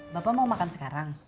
bapak mau makan sekarang